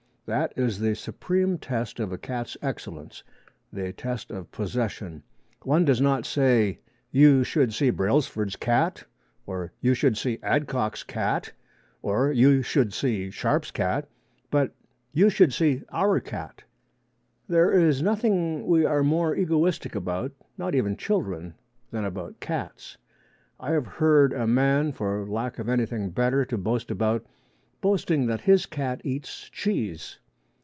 That is the supreme test of a cat's excellence the test of possession. One does not say: "You should see Brailsford's cat" or "You should see Adcock's cat" or "You should see Sharp's cat," but "You should see our cat." There is nothing we are more egoistic about not even children than about cats. I have heard a man, for lack of anything better to boast about, boasting that his cat eats cheese.